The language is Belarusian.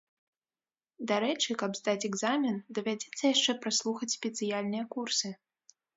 Дарэчы, каб здаць экзамен давядзецца яшчэ праслухаць спецыяльныя курсы.